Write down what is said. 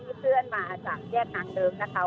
ใช่เชื่อนมาจากแย่นทางเดิมนะคะ